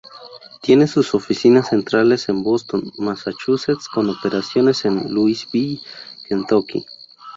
Tiene sus oficinas centrales en Boston, Massachusetts con operaciones en Louisville, Kentucky.